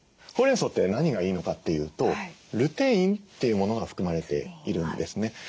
ホウレンソウって何がいいのかっていうとルテインというものが含まれているんですね。